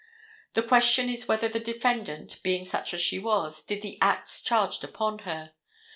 The question is whether the defendant, being such as she was, did the acts charged upon her.